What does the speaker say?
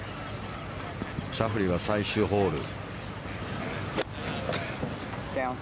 シャフリーは最終ホール。